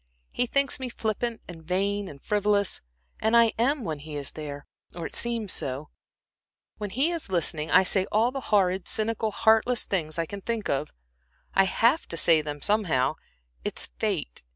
He thinks me flippant, and vain, and frivolous, and I am when he is there, or I seem so. When he is listening, I say all the horrid, cynical, heartless things I can think of. I have to say them, somehow. It is fate.